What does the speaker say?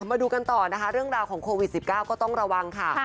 มาดูกันต่อนะคะเรื่องราวของโควิด๑๙ก็ต้องระวังค่ะ